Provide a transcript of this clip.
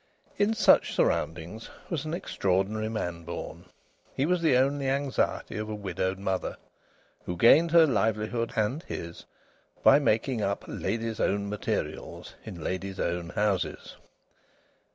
In such surroundings was an extraordinary man born. He was the only anxiety of a widowed mother, who gained her livelihood and his by making up "ladies' own materials" in ladies' own houses.